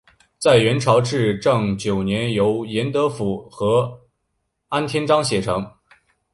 在元朝至正九年由严德甫和晏天章写成。